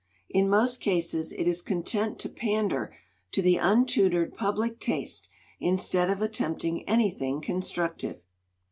In most cases it is content to pander to the untutored public taste instead of attempting anything constructive.